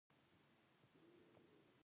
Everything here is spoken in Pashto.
د داود خان په وخت کې يې قره قل پر سر و.